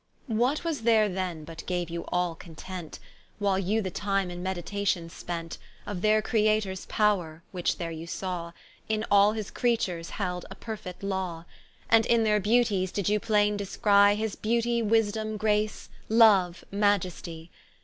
What was there then but gaue you all content, While you the time in meditation spent, Of their Creators powre, which there you saw, In all his Creatures held a perfit Law; And in their beauties did you plaine descrie, His beauty, wisdome, grace, loue, maiestie.